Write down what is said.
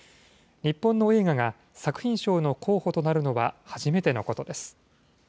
日本の映画が作品賞の候補となるのは初めてのことです。